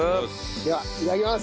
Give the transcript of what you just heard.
ではいただきます！